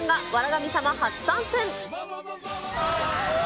神様初参戦。